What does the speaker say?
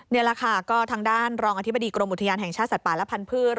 เนี้ยล่ะค่ะก็ทางด้านรองอธิบดีกรมบุธญาณแห่งชาติป่าและพันธุ์พืช